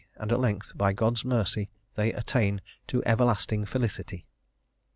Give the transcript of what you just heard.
and at length, by God's mercy, they attain to everlasting felicity."